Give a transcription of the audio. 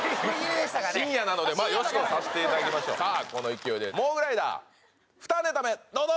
深夜なのでまあよしとさせていただきましょうさあこの勢いでモグライダー２ネタ目どうぞ！